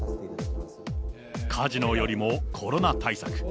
カジノよりもコロナ対策。